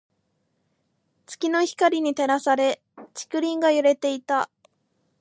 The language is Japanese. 月の光に照らされ、竹林が揺れていた。